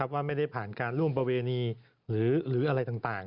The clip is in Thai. ว่าไม่ได้ผ่านการร่วมประเวณีหรืออะไรต่าง